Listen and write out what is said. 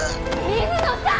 水野さん！